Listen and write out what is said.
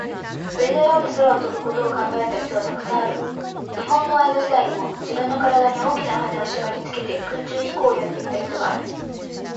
鳥のように空を飛ぶことを考えた人は、たくさんある。日本の江戸時代にも、じぶんのからだに、大きなはねをしばりつけて、空中飛行をやってみた人がある。